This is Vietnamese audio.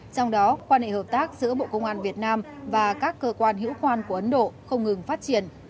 trong đó quan hệ hợp tác giữa bộ công an việt nam và các cơ quan hữu quan của ấn độ không ngừng phát triển